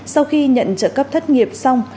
sau khi nhận trợ cấp thất nghiệp xong